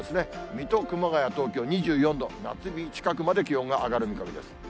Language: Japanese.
水戸、熊谷、東京２４度、夏日近くまで気温が上がる見込みです。